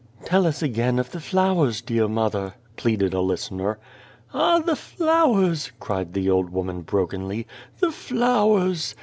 " Tell us again of the flowers, dear mother," pleaded a listener. " Ah ! the flowers !" cried the old woman brokenly, " the flowers